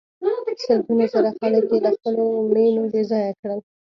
سلګونه زره خلک یې له خپلو مېنو بې ځایه کړل.